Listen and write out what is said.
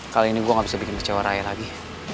kali ini gue gak bisa bikin kecewa raya lagi